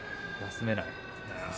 休めない。